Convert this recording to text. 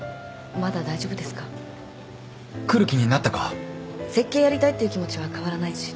設計やりたいっていう気持ちは変わらないし。